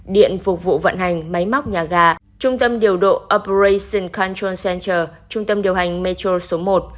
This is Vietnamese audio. điện phục vụ vận hành máy móc nhà gà trung tâm điều độ operation canton center trung tâm điều hành metro số một